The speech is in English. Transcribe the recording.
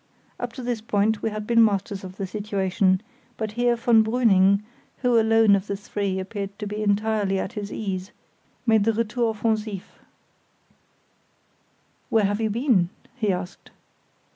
Up to this point we had been masters of the situation; but here von Brüning, who alone of the three appeared to be entirely at his ease, made the retour offensif. "Where have you been?" he asked.